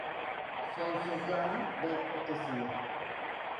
Sonsuzluğa ve ötesine!